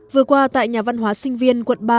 vừa qua tại nhà văn hóa sinh viên quận ba